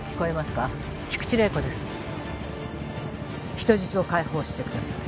人質を解放してください。